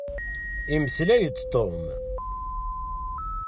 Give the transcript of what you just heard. Imeslay-d Tom.